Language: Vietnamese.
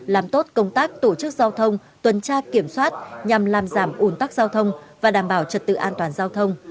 làm tốt công tác tổ chức giao thông tuần tra kiểm soát nhằm làm giảm ủn tắc giao thông và đảm bảo trật tự an toàn giao thông